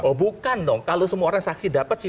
oh bukan dong kalau semua orang saksi dapat sih